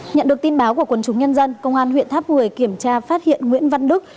nhận được tin báo của quân chúng nhân dân công an huyện tháp một mươi kiểm tra phát hiện nguyễn văn đức